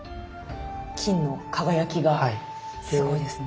金の輝きがすごいですね。